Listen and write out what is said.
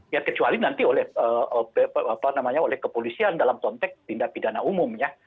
ya kecuali nanti oleh kepolisian dalam konteks pindah pidana umumnya